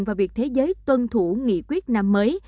và việc thế giới tuân thủ nghị quyết năm mới